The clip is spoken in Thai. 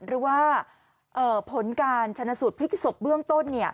หรือว่าผลการชนะสูตรพลิกศพเบื้องต้น